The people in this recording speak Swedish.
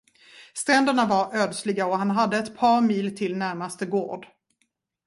Stränderna var ödsliga och han hade ett par mil till närmaste gård.